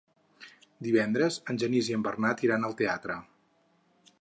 Divendres en Genís i en Bernat iran al teatre.